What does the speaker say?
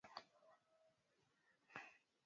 baadhi ya watu hao watakuwepo kwenye baraza hili